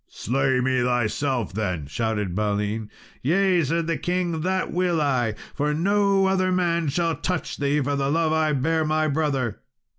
"Slay me, thyself, then," shouted Balin. "Yea," said the king, "that will I! for no other man shall touch thee, for the love I bear my brother."